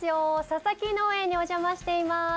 佐々木農園にお邪魔しています。